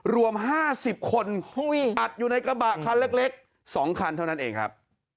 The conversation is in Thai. รวม๕๐คนอัดอยู่ในกระบะคันเล็ก๒คันเท่านั้นเองครับ